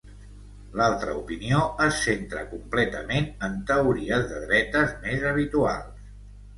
L'altra opinió es centra completament en teories de dretes més habituals.